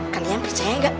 kalian percaya gak